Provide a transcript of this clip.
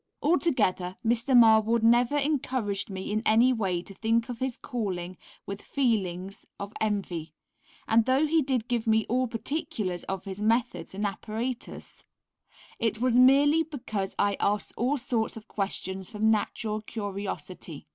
Altogether, Mr. Marwood never encouraged me in any way to think of his calling with feelings of envy, and though he did give me all particulars of his methods and apparatus, it was merely because I asked all sorts of questions from natural curiosity.